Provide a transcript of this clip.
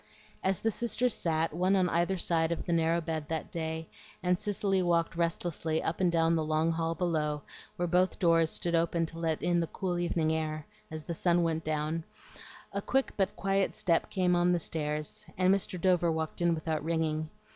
As the sisters sat, one on either side the narrow bed that day, and Cicely walked restlessly up and down the long hall below, where both doors stood open to let in the cool evening air, as the sun went down, a quick but quiet step came up the steps, and Mr. Dover walked in without ringing.